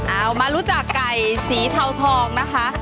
เอามารู้จักไก่สีเทาทองนะคะ